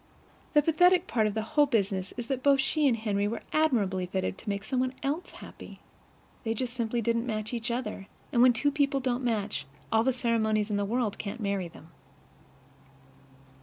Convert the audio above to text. The pathetic part of the whole business is that both she and Henry were admirably fitted to make some one else happy. They just simply didn't match each other; and when two people don't match, all the ceremonies in the world can't marry them.